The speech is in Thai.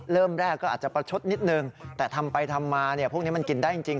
เริ่มแรกก็อาจจะประชดนิดนึงแต่ทำไปทำมาพวกนี้มันกินได้จริง